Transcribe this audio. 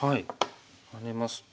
ハネますと。